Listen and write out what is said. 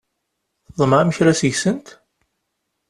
Tḍemɛem kra seg-sent?